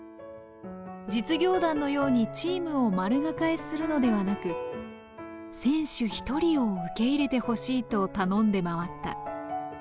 実業団のようにチームを丸抱えするのではなく選手１人を受け入れてほしいと頼んで回った。